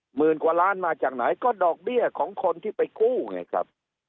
หมื่นกว่าล้านมาจากไหนก็ดอกเบี้ยของคนที่ไปกู้ไงครับ